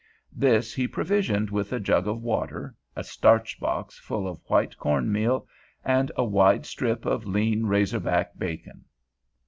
This he provisioned with a jug of water, a starch box full of white corn meal, and a wide strip of lean razorback bacon.